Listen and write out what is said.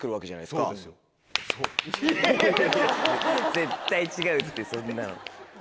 絶対違うってそんなの。